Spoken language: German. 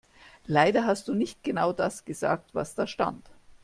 Leider hast du nicht genau das gesagt, was da stand.